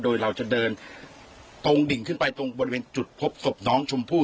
โดยเราจะเดินตรงดิ่งขึ้นไปตรงบริเวณจุดพบศพน้องชมพู่